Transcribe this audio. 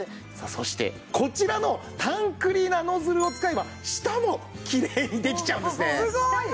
そしてこちらのタンクリーナーノズルを使えば舌もきれいにできちゃうんですね。